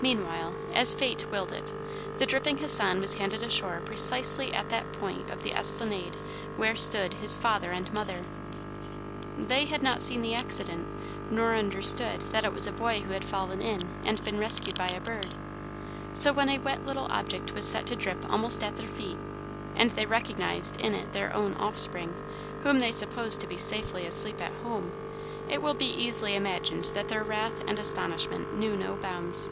Meanwhile, as Fate willed it, the dripping Hassan was handed ashore precisely at that point of the esplanade where stood his father and mother! They had not seen the accident, nor understood that it was a boy who had fallen in and been rescued by a bird; so when a wet little object was set to drip almost at their feet, and they recognized in it their own offspring, whom they supposed to be safely asleep at home, it will be easily imagined that their wrath and astonishment knew no bounds.